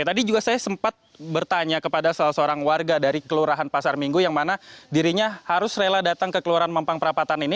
tadi juga saya sempat bertanya kepada salah seorang warga dari kelurahan pasar minggu yang mana dirinya harus rela datang ke kelurahan mampang perapatan ini